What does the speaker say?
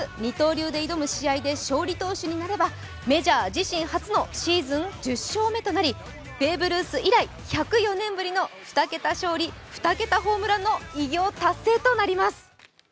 明日二刀流で挑む試合に勝利投手すればシーズン１０勝目となりベーブ・ルース以来１０４年ぶりの２桁勝利・２桁ホームランの偉業となります。